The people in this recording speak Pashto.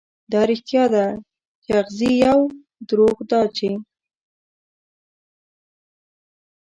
دا رښتيا ده، چې اغزي يو، دروغ دا چې